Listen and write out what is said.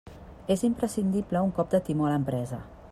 És imprescindible un cop de timó a l'empresa.